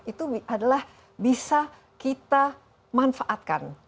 itu adalah bisa kita manfaatkan